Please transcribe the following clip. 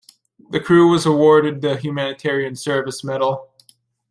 The crew was awarded the Humanitarian Service Medal.